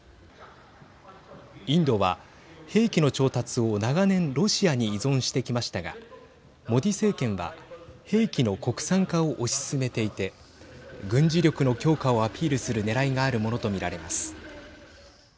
インドは兵器の調達を長年ロシアに依存してきましたがモディ政権は兵器の国産化を推し進めていて軍事力の強化をアピールするねらいがあるものと見られます。